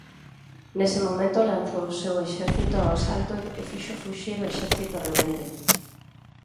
Nese momento lanzou o seu exército ao asalto e fixo fuxir o exército rebelde